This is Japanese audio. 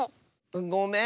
ごめん！